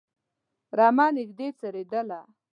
رمه نږدې څرېدله.